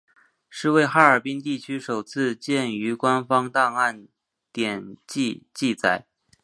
是为哈尔滨地区首次见于官方档案典籍记载。